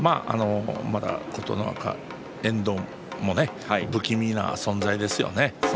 まだ琴ノ若、遠藤も不気味な存在ですね。